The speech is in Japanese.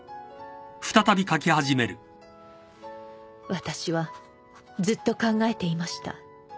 「私はずっと考えていました」